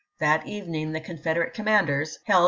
That evening the Confederate commanders held Vol.